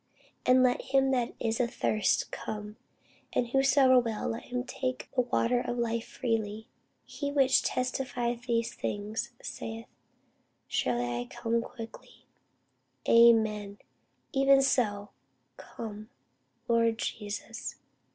And let him that is athirst come. And whosoever will, let him take the water of life freely. He which testifieth these things saith, Surely I come quickly. Amen. Even so, come, Lord Jesus.